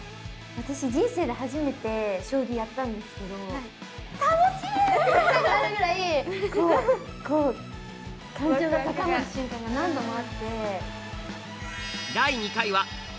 私人生で初めて将棋やったんですけど。って言いたくなるぐらいこうこう感情が高まる瞬間が何度もあって。